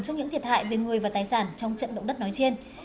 cho những thiệt hại về người và tài sản trong trận động đất nói trên